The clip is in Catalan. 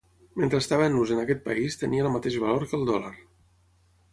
Mentre estava en ús en aquest país tenia el mateix valor que el dòlar.